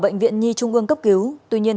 bệnh viện nhi trung ương cấp cứu tuy nhiên